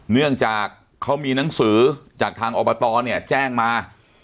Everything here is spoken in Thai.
เนื่องจากเขามีหนังสือจากทางอบตเนี่ยแจ้งมา